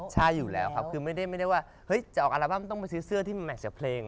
ใช่อยู่แล้วครับคือไม่ได้ว่าเฮ้ยจะออกอัลบั้มต้องไปซื้อเสื้อที่แมทเสียเพลง